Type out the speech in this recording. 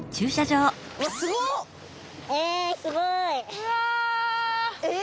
うわ！